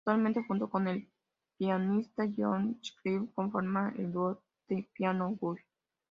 Actualmente junto con el pianista Jon Schmidt conforma el duo The Piano Guys.